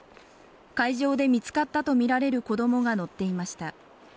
海上で見つかったと見られる子どもが乗っていました